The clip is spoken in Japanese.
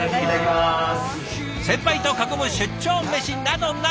先輩と囲む出張メシなどなど。